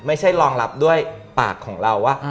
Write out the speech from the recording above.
ไม่ใช่รองรับด้วยปากของเราว่า